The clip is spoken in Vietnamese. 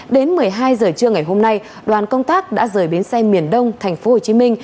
đến một mươi hai giờ trưa ngày hôm nay đoàn công tác đã rời bến xe miền đông tp hcm